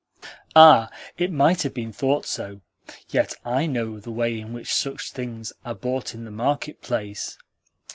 "Ah, it might have been thought so; yet I know the way in which such things are bought in the market place.